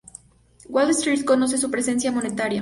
Walt Street conoce su presencia monetaria.